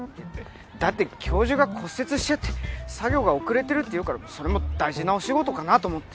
だって教授が骨折しちゃって作業が遅れてるって言うからそれも大事なお仕事かなと思って。